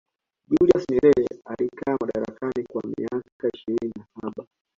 julius nyerere alikaa madarakani kwa miaka ishirini na saba